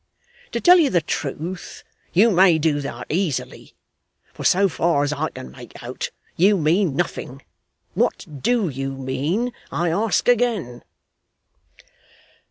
To tell you the truth, you may do that easily; for so far as I can make out, you mean nothing. What DO you mean, I ask again?